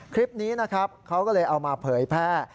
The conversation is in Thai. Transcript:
คลิปนี้นะครับเขาก็เลยเอามาเผยแพร่